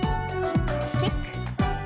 キック。